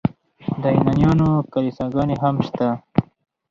د یونانیانو کلیساګانې هم شته.